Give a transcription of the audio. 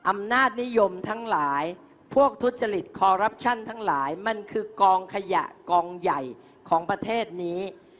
อำนาจนิยมทั้งหลายพวกทุจริตคอรัปชั่นทั้งหลายมันคือกองขยะกองใหญ่ของประเทศนี้